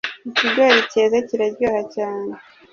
Ikigori keze kiraryoha cyane